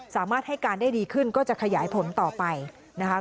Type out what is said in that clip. สามารถให้การได้ดีขึ้นก็จะขยายผลต่อไปนะคะ